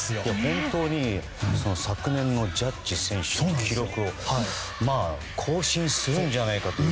本当に昨年のジャッジ選手の記録を更新するんじゃないかという。